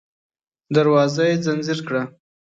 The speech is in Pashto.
دروازه يې ځنځير کړه.